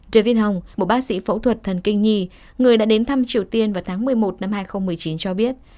javin hong một bác sĩ phẫu thuật thần kinh nhì người đã đến thăm triều tiên vào tháng một mươi một năm hai nghìn một mươi chín cho biết